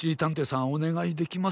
おねがいできますか？